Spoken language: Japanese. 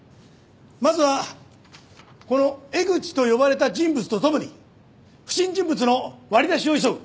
まずはこのエグチと呼ばれた人物とともに不審人物の割り出しを急ぐ。